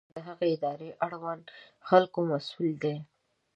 د یوې ادارې مشر د هغې ادارې اړوند خلکو مسؤل دی.